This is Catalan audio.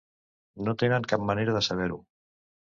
No tenen cap manera de saber-ho.